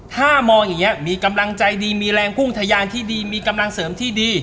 ถ้ามองอย่างนี้มีกำลังใจดีมีแรงพุ่งทะยานที่ดีมีกำลังเสริมที่ดี